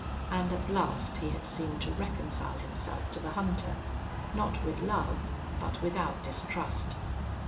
And at last he had seemed to reconcile himself to the hunter, not with love, but without distrust.